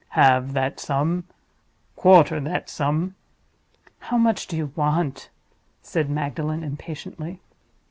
Halve that sum; quarter that sum—" "How much do you want?" said Magdalen, impatiently.